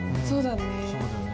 そうだよね。